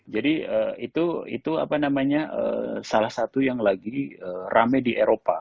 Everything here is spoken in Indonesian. jadi itu itu apa namanya salah satu yang lagi rame di eropa